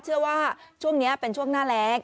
เชื่อว่าช่วงนี้เป็นช่วงหน้าแรง